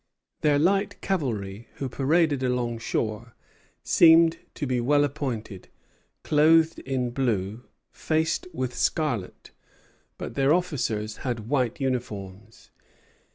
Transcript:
Their light cavalry, who paraded along shore, seemed to be well appointed, clothed in blue, faced with scarlet; but their officers had white uniforms.